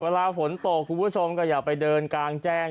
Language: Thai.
เวลาฝนตกคุณผู้ชมก็อย่าไปเดินกลางแจ้ง